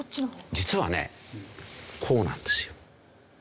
実はねこうなんですよ。